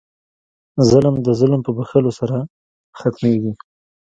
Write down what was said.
ظلم د ظلم په بښلو سره ختمېږي.